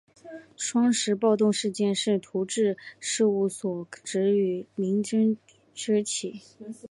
双十暴动事件是徙置事务处职员与居民争执引起。